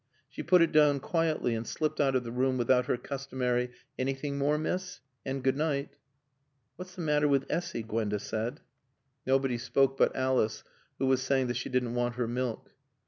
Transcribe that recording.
She put it down quietly and slipped out of the room without her customary "Anything more, Miss?" and "Good night." "What's the matter with Essy?" Gwenda said. Nobody spoke but Alice who was saying that she didn't want her milk.